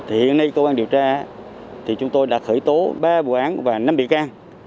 hiện nay công an điều tra thì chúng tôi đã khởi tố ba vụ án và năm bị can